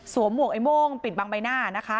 หมวกไอ้โม่งปิดบังใบหน้านะคะ